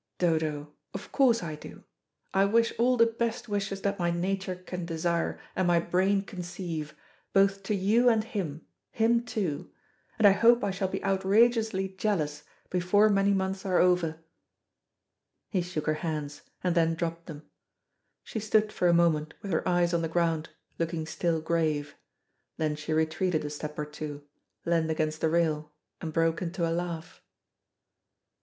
"Dodo, of course I do. I wish all the best wishes that my nature can desire and my brain conceive, both to you and him, him too; and I hope I shall be outrageously jealous before many months are over." He shook her hands, and then dropped them. She stood for a moment with her eyes on the ground, looking still grave. Then she retreated a step or two, leaned against the rail, and broke into a laugh.